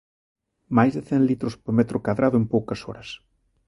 Máis de cen litros por metro cadrado en poucas horas.